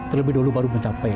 terlebih dahulu baru mencapai